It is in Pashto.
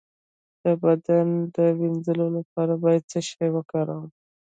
د بدن د مینځلو لپاره باید څه شی وکاروم؟